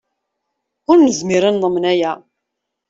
Ur nezmir ad neḍmen aya.